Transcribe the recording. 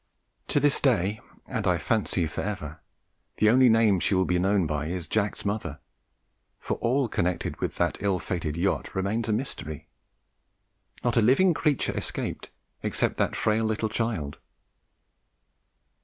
To this day, and I fancy for ever, the only name she will be known by is 'Jack's mother,' for all connected with that ill fated yacht remains a mystery. Not a living creature escaped, except that frail little child.